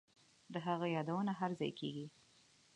د هغه یادونه هرځای کیږي